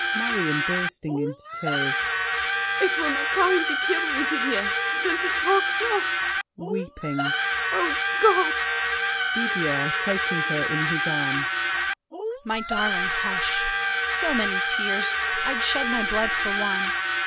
MARION (bursting into tears). It were more kind to kill me, Didier, Than to talk thus! [Weeping.] O God! DIDIER (taking her in his arms). My darling, hush! So many tears! I'd shed my blood for one.